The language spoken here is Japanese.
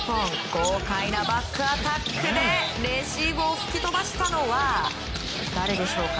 豪快なバックアタックでレシーブを吹き飛ばしたのは誰でしょうか。